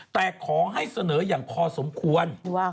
แต่ขอให้เสนออย่างพอสมควร